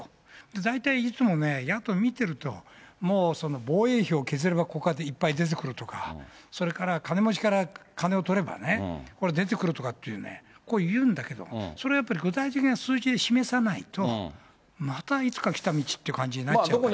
大体いつもね、野党見てると、もう防衛費を削れば、ここからいっぱい出てくるとか、それから、金持ちから金を取ればね、これ、出てくるとかっていうね、こう、言うんだけど、それはやっぱり具体的な数字で示さないと、またいつか来た道って感じになっちゃうから。